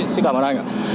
xin cảm ơn anh ạ